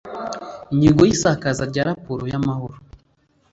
Ingingo ya isakaza rya raporo za mahoro